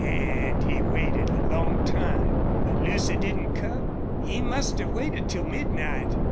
An' he waited a long time. But Lucy didn't come. He must have waited till midnight.